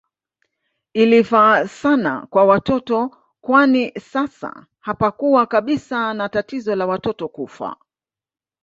Ilifaa sana kwa watoto kwani sasa hapakuwa kabisa na tatizo la watoto kufa